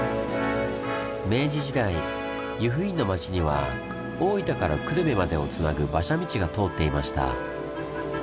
明治時代由布院の町には大分から久留米までをつなぐ馬車道が通っていました。